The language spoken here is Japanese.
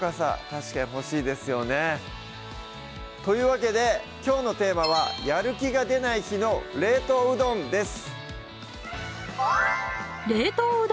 確かに欲しいですよねというわけできょうのテーマはやる気が出ない日の「冷凍うどん」です